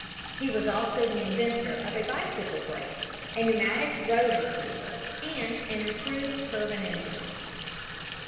He was also the inventor of a bicycle brake, a pneumatic road improver, and an improved turbine engine.